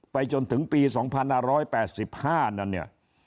จนถึงปี๒๕๘๕นั้นเนี่ย